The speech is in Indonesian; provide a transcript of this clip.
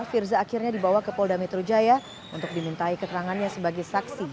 firza akhirnya dibawa ke polda metro jaya untuk dimintai keterangannya sebagai saksi